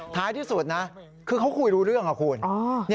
ท้ายที่สุดนะคือเขาคุยรู้เรื่องอะคุณ